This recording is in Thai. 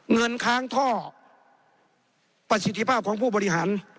ค้างท่อประสิทธิภาพของผู้บริหาร